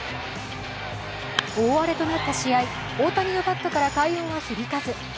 大荒れとなった試合、大谷のバットから快音は響かず。